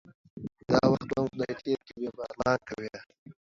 دا وخت به هم خدای تیر کړی بیا به ارمان کوی